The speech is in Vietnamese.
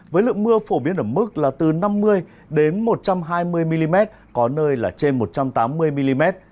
với lượng mưa phổ biến ở mức là từ năm mươi đến một trăm hai mươi mm có nơi là trên một trăm tám mươi mm